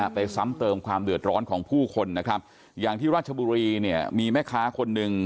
ซ้ำเติมความเดือดร้อนของผู้คนนะครับอย่างที่ราชบุรีเนี่ยมีแม่ค้าคนหนึ่ง